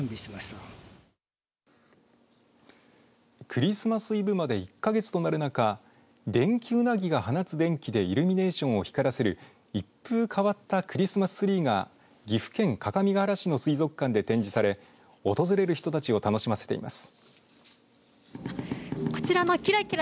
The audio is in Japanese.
クリスマスイブまで１か月となる中デンキウナギが放つ電気でイルミネーションを光らせる一風変わったクリスマスツリーが岐阜県各務原市の水族館で展示され訪れた人たちを楽しませています。